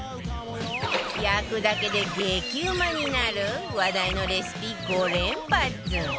焼くだけで激うまになる話題のレシピ５連発